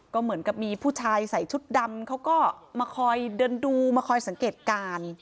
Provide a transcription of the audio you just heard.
ก็เหมือนกับมีผู้ชายใส่ชุดดำเขาก็มาคอยเดินดูมาคอยสังเกตการณ์